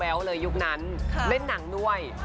แบ๊วเรียกนั้นเล่นหนังด้วย